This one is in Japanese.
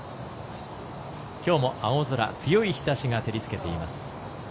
きょうも青空強い日ざしが照り付けています。